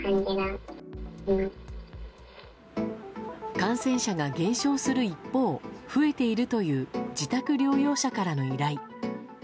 感染者が減少する一方増えているという自宅療養者からの依頼。